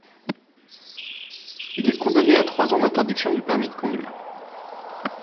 Il est condamné à trois ans d'interdiction du permis de conduire.